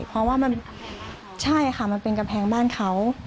เพราะว่ามันใช่ค่ะมันเป็นกำแพงบ้านเขา